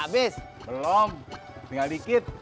belum tinggal dikit